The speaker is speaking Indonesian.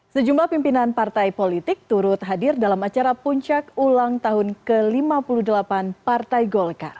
sejumlah pimpinan partai politik turut hadir dalam acara puncak ulang tahun ke lima puluh delapan partai golkar